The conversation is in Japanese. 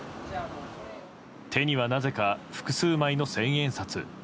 手にはなぜか複数枚の千円札。